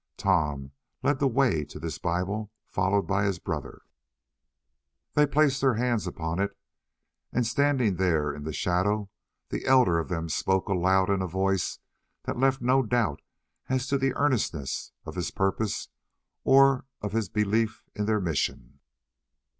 Tom led the way to this bible, followed by his brother. Then they placed their hands upon it, and standing there in the shadow, the elder of them spoke aloud in a voice that left no doubt of the earnestness of his purpose, or of his belief in their mission.